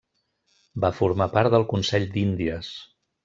Va formar part del Consell d'Índies.